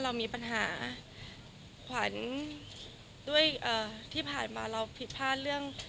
ขวัญด้วยความรักว่าที่ผ่านมาเราผิดพลาดเรื่อง